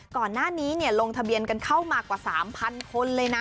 ก่อนหน้านี้ลงทะเบียนกันเข้ามากว่า๓๐๐คนเลยนะ